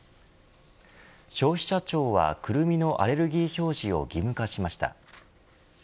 消費者庁はクルミのアレルギー表示を義務化しました。